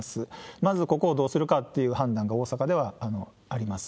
まずここをどうするかっていう判断で大阪ではあります。